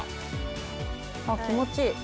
あっ気持ちいい。